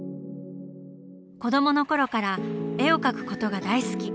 子どもの頃から絵を描くことが大好き。